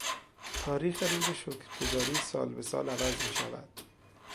تاریخ روز شکرگزاری سال به سال عوض میشود.